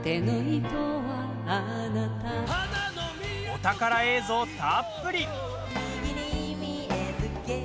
お宝映像たっぷり。